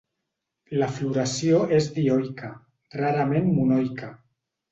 La floració és dioica, rarament monoica.